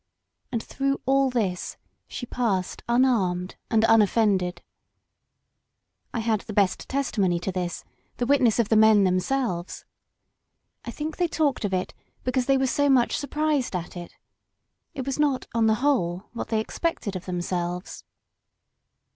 And through all this she passed unarmed and tm offended. I had the best testimony to this, the witness of the men themselves. I think they talked of it because they were so much surprised at it. It was not, on the whole, what they expected of themselves.